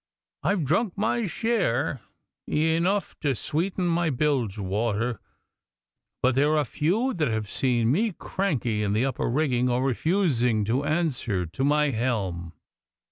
I've drunk my share enough to sweeten my bilge water but there are few that have seen me cranky in the upper rigging or refusing to answer to my helm.